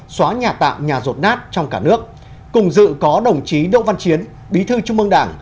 xóa nhà tạm nhà rột nát trong cả nước cùng dự có đồng chí đỗ văn chiến bí thư trung mương đảng